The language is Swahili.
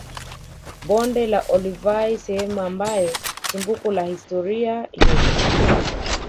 Bonde la olduvai sehemu ambayo chimbuko la historia yetu